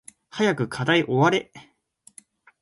早く課題終われ